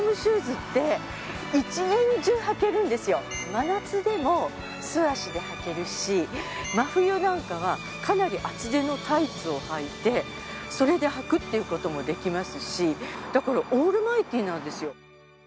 真夏でも素足で履けるし真冬なんかはかなり厚手のタイツをはいてそれで履くっていう事もできますしだからオールマイティーなんですよ。